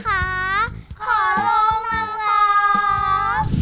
ขอโทษนะครับ